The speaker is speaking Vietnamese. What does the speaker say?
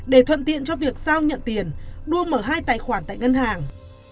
để thuận tiện cho việc giao nhận tiền đua mở hai tài khoản tại ngân hàng